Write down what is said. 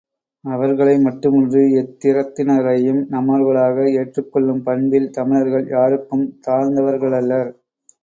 அவர்களை மட்டுமன்று, எத்திறத்தினரையும் நம்மவர்களாக ஏற்றுக் கொள்ளும் பண்பில் தமிழர்கள் யாருக்கும் தாழ்ந்தவர்களல்லர்.